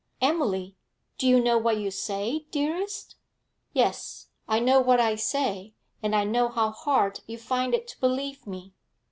'Emily! Do you know what you say, dearest?' 'Yes; I know what I say, and I know how hard you find it to believe me.